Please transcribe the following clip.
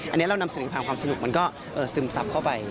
อันนี้เรานำเสนอผ่านความสนุกมันก็ซึมซับเข้าไป